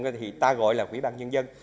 thì ta gọi là quỹ ban nhân dân